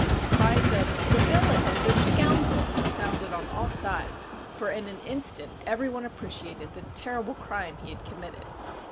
Cries of "The villain!" "The scoundrel!" sounded on all sides, for in an instant every one appreciated the terrible crime he had committed.